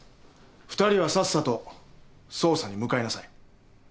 ２人はさっさと捜査に向かいなさい。